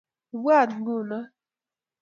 Ibwaat nguno.